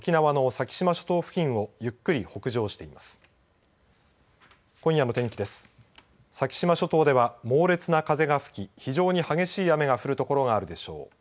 先島諸島では猛烈な風が吹き非常に激しい雨が降る所があるでしょう。